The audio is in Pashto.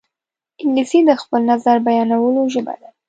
انګلیسي د خپل نظر بیانولو ژبه ده